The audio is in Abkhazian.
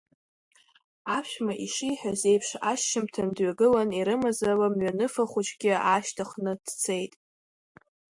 Аԥшәма, ишиҳәаз еиԥш, ашьжьымҭан дҩагылан, ирымаз ала мҩаныфа хәыҷыкгьы аашьҭыхны дцеит.